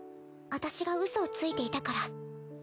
私がウソをついていたから。